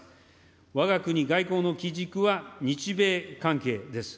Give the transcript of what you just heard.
わが国外交の基軸は日米関係です。